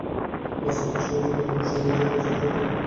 রাজনৈতিক সমাঝোতা হলে সবাই যেটা চায়, সেটা হতে কোনো সমস্যা নেই।